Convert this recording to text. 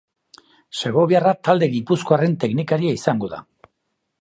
Segoviarra talde gipuzkoarren teknikaria izango da.